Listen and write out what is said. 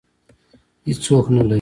هېڅوک نه لري